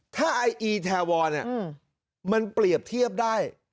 ถ้าไออีแทวอนมันเปรียบเทียบได้